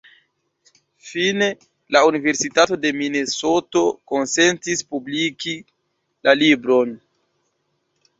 Fine, la Universitato de Minesoto konsentis publikigi la libron.